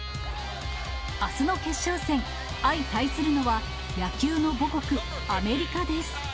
あすの決勝戦、相対するのは、野球の母国、アメリカです。